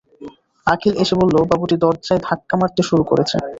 অখিল এসে বললে, বাবুটি দরজায় ধাক্কা মারতে শুরু করেছে।